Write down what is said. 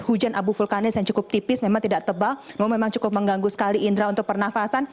hujan abu vulkanis yang cukup tipis memang tidak tebal memang cukup mengganggu sekali indra untuk pernafasan